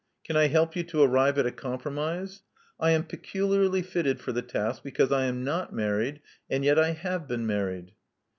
Can I help you to arrive at a compromise? I am peculiarly fitted for the task, because I am not married, and yet I have been married."